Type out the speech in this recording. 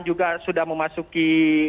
juga sudah memasuki